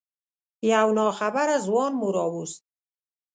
یو ناخبره ځوان مو راوست.